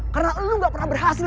karena lo gak pernah berhasil